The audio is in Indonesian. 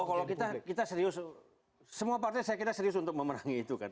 kalau kita serius semua partai saya kira serius untuk memerangi itu kan